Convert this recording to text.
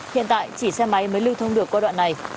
hiện tại chỉ xe máy mới lưu thông được qua đoạn này